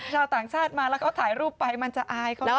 ชาวต่างชาติมาแล้วเขาถ่ายรูปไปมันจะอายเขานะ